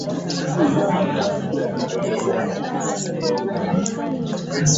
Kiki ekyaviiriddeko omusajja oyo kwetuga?